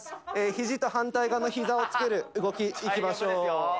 ひじと反対側のひざをつける動き、いきましょう。